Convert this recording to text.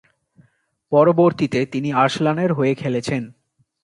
পরবর্তীতে তিনি আর্সেনালের হয়ে খেলেছেন।